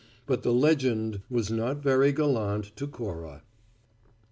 But the "legend" was not very gallant to Cora!